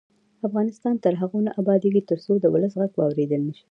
افغانستان تر هغو نه ابادیږي، ترڅو د ولس غږ واوریدل نشي.